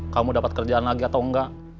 kamu dapat kerjaan lagi atau enggak